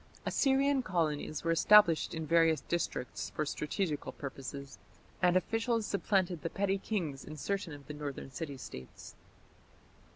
Assyrian colonies were established in various districts for strategical purposes, and officials supplanted the petty kings in certain of the northern city States.